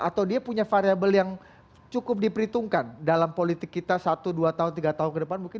atau dia punya variabel yang cukup diperhitungkan dalam politik kita satu dua tiga tahun ke depan mungkin dua ribu dua puluh empat